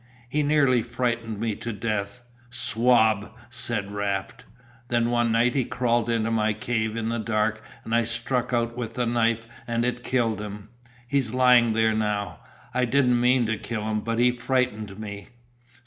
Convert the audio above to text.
He nearly frightened me to death." "Swab," said Raft. "Then one night he crawled into my cave in the dark and I struck out with the knife and it killed him he's lying there now. I didn't mean to kill him, but he frightened me."